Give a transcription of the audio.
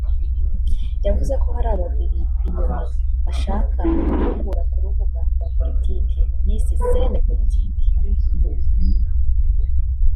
yavuze ko hari ababiri inyuma bashaka kumukura mu rubuga rwa politiki (yise Scene Politique)